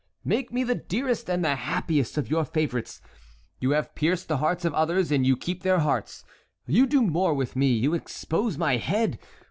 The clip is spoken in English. make me the dearest and the happiest of your favorites. You have pierced the hearts of others, and you keep their hearts. You do more with me, you expose my head.